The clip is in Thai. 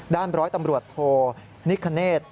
ด้านบร้อยตำรวจโทรนิคเนศ